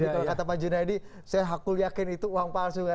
tadi kalau kata pak junaidi saya yakin itu uang palsu